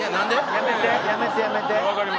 やめてやめてやめて。